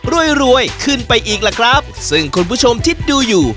รวยรวยขึ้นไปอีกล่ะครับซึ่งคุณผู้ชมคิดดูอยู่